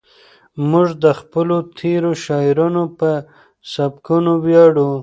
موږ د خپلو تېرو شاعرانو په سبکونو ویاړو.